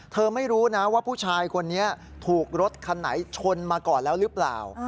ไม่รู้นะว่าผู้ชายคนนี้ถูกรถคันไหนชนมาก่อนแล้วหรือเปล่า